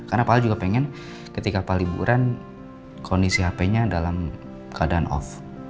karena pak al juga pengen ketika pak al liburan kondisi hp nya dalam keadaan off